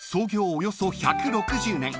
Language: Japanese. およそ１６０年］